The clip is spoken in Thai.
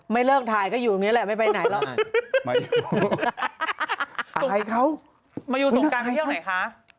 มายูส่งกันเมื่อไหนคะ